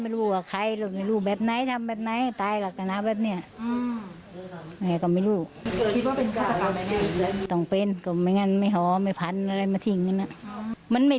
เพราะจำเสื้อผ้าและรองเท้าที่ในกล่องสวมใส่ในคืนนั้นก่อนหายตัวไปได้